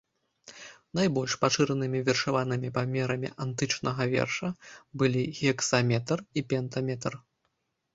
Найбольш пашыранымі вершаванымі памерамі антычнага верша былі гекзаметр і пентаметр.